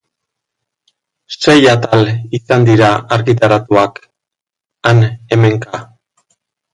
Sei atal izan dira argitaratuak, han-hemenka.